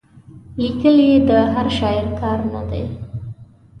لیکل یې د هر شاعر کار نه دی.